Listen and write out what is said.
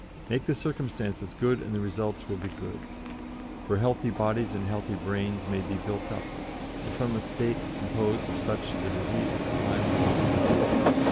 Make the circumstances good and the results will be good, for healthy bodies and healthy brains may be built up, and from a State composed of such the disease of crime will have disappeared.